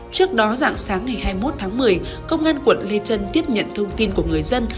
trước đó dạng sáng ngày hai mươi một tháng một mươi công an quận lê trân tiếp nhận thông tin của người dân